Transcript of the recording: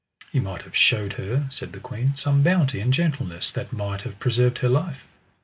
Ye might have shewed her, said the queen, some bounty and gentleness that might have preserved her life.